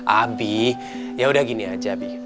abi yaudah gini aja abi